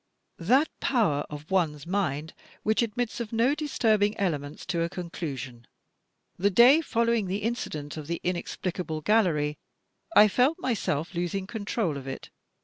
"That power of one's mind which admits of no disturbing elements to a conclusion. The day following the incident of * the inexpUcable gallery,' I felt myself losing control of it.